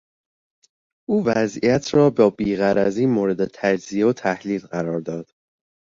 او وضعیت را با بیغرضی مورد تجزیه و تحلیل قرار داد.